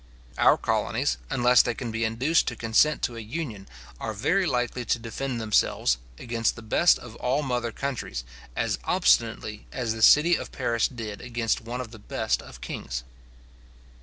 Our colonies, unless they can be induced to consent to a union, are very likely to defend themselves, against the best of all mother countries, as obstinately as the city of Paris did against one of the best of kings.